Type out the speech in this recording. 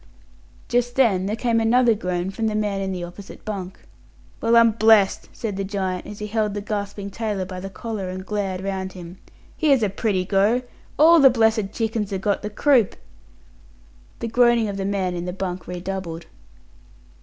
Just then there came another groan from the man in the opposite bunk. "Well, I'm blessed!" said the giant, as he held the gasping tailor by the collar and glared round him. "Here's a pretty go! All the blessed chickens ha' got the croup!" The groaning of the man in the bunk redoubled.